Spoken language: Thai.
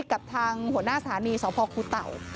กับทางหัวหน้าสถานีสพคูเต่า